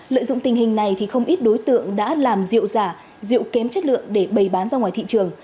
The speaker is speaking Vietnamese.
lợi dụng tình hình này thì không ít đối tượng đã làm rượu giả rượu kém chất lượng để bày bán ra ngoài thị trường